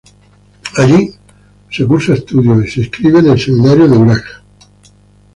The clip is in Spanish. Allí se cursa estudios y se inscribe en el Seminario de Urach.